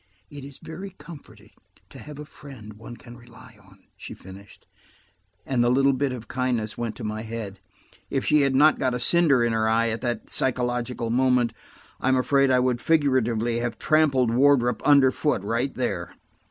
"It is very comforting to have a friend one can rely on," she finished, and the little bit of kindness went to my head. If she had not got a cinder in her eye at that psychological moment, I'm afraid I would figuratively have trampled Wardrop underfoot, right there.